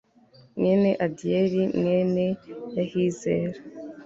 mwene adiyeli mwene yahizera